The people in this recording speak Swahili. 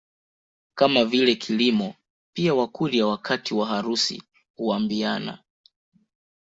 Kama vile kilimo pia Wakurya wakati wa harusi huambiana